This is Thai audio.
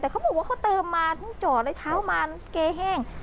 แต่เขาบอกว่าเขาเติมมาทั้งจอดเลยเช้ามาเกย์แห้ง